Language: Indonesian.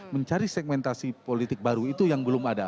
mencari segmentasi politik baru itu yang belum ada